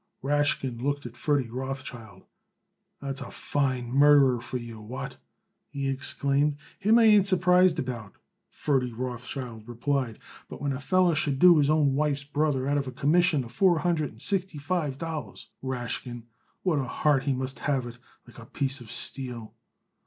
Rashkin looked at Ferdy Rothschild. "That's a fine murderer for you. What?" he exclaimed. "Him, I ain't surprised about," Ferdy Rothschild replied, "but when a feller should do his own wife's brother out of a commission of four hundred and sixty five dollars, Rashkin, what a heart he must have it. Like a piece of steel."